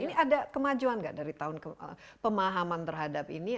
ini ada kemajuan gak dari tahun pemahaman terhadap ini